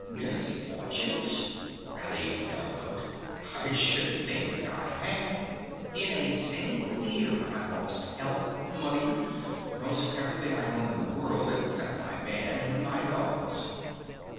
"Misfortunes?" rallied Delcote. "I should think I had! In a single year I've lost health, money, most everything I own in the world except my man and my dogs!"